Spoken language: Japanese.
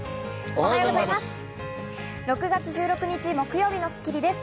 おはようございます。